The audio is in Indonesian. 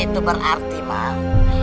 itu berarti mak